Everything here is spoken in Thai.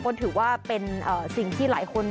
ก็ถือว่าเป็นสิ่งที่หลายคน